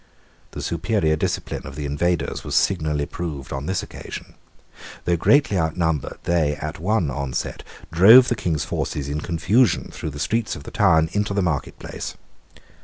The superior discipline of the invaders was signally proved on this occasion. Though greatly outnumbered, they, at one onset, drove the King's forces in confusion through the streets of the town into the market place.